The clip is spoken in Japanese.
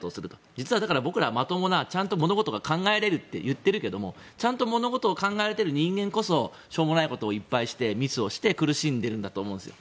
実は僕らまともにちゃんと物事が考えられると言っているけどちゃんと物事を考えている人間こそしょうもないことをいっぱいしてミスをして苦しんでいると思うんです。